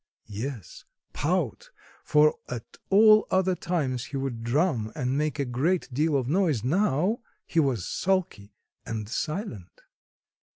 Yes, pout, for at all other times he would drum and make a great deal of noise; now, he was sulky and silent.